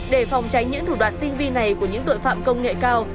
để phòng tránh những thủ đoạn tinh vi này của những tội phạm công nghệ cao